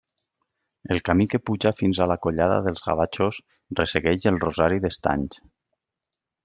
El camí que puja fins a la Collada dels Gavatxos, ressegueix el rosari d'estanys.